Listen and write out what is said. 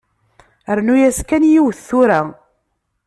Rnu-yas kan yiwet tura.